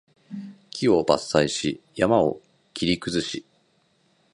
木を伐採し、山を切り崩し